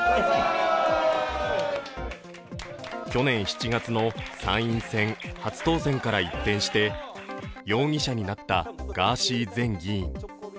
去年７月の参院選、初当選から一転して容疑者になったガーシー前議員。